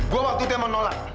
gue waktu itu yang mau nolak